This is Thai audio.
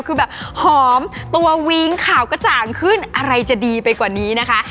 คือแบบหอมตัววิ้งข่าวกระจ่างขึ้นอะไรจะดีไปกว่านี้นะคะ